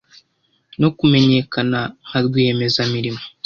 no kumenyekana nka rwiyemezamirimo